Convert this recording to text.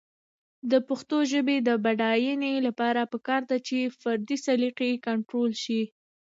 د پښتو ژبې د بډاینې لپاره پکار ده چې فردي سلیقې کنټرول شي.